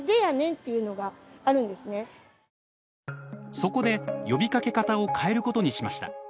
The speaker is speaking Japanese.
そこで呼びかけ方を変えることにしました。